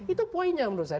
itu poinnya menurut saya